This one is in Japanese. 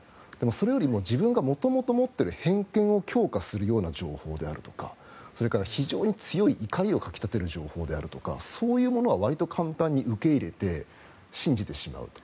それよりも自分が元々持っている偏見を強化するような情報だとかそれから非常に強い怒りをかき立てる情報であるとかそういうものはわりと簡単に受け入れて信じてしまう。